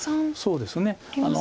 そうですね。